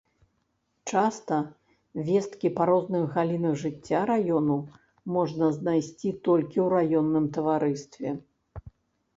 Часта весткі па розных галінах жыцця раёну можна знайсці толькі ў раённым таварыстве.